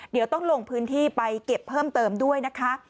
เดี๋ยวต้องลงพื้นที่ไปเก็บเพิ่มเติมด้วยนะคะ